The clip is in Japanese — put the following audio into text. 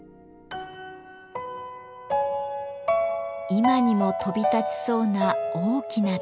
今にも飛び立ちそうな大きな鷹。